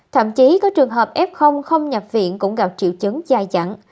thậm chí có trường hợp f không nhập viện cũng gặp triệu chứng dai dặn